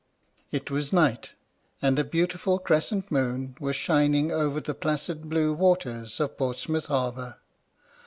69 T was night, and a beautiful cres cent moon was shining over the placid blue waters of Portsmouth Harbour.